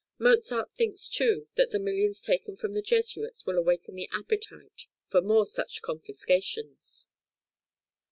Mozart thinks, too, that the millions taken from the Jesuits will awaken the appetite for more of such confiscations.